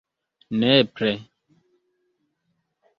nepre